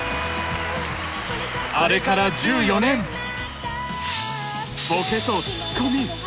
あれから１４年ボケとツッコミ！